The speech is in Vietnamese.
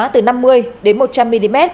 từ năm mươi đến một trăm linh mm